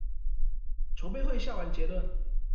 籌備會下完結論